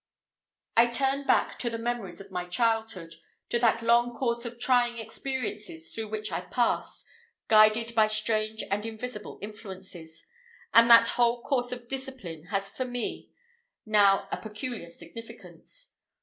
I turn back to the memories of my childhood to that long course of trying experiences through which I passed, guided by strange and invisible influences; and that whole course of discipline has for me now a peculiar significance.